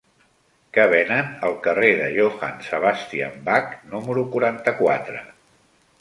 Què venen al carrer de Johann Sebastian Bach número quaranta-quatre?